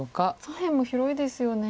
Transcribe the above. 左辺も広いですよね。